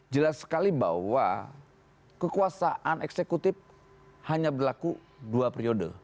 jelas sekali bahwa kekuasaan eksekutif hanya berlaku dua periode